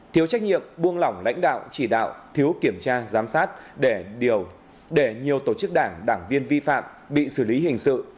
thiếu trách nhiệm buông lỏng lãnh đạo chỉ đạo thiếu kiểm tra giám sát để nhiều tổ chức đảng đảng viên vi phạm bị xử lý hình sự